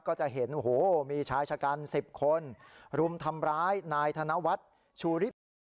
ก็จะเห็นโอ้โหมีชายชะกัน๑๐คนรุมทำร้ายนายธนวัฒน์ชูริพันธ์